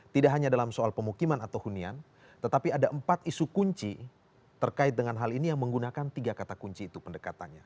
tidak hanya dalam soal pemukiman atau hunian tetapi ada empat isu kunci terkait dengan hal ini yang menggunakan tiga kata kunci itu pendekatannya